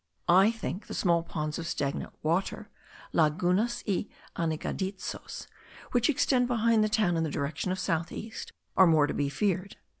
I think the small pools of stagnant water (lagunas y anegadizos), which extend behind the town in the direction of south east, are more to be feared.